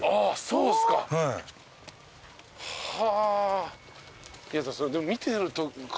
そうっすか。はあ。